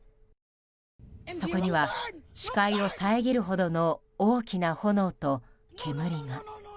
そこには視界を遮るほどの大きな炎と煙が。